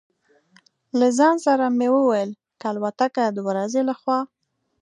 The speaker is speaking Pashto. له ځان سره مې وویل: که الوتکه د ورځې له خوا.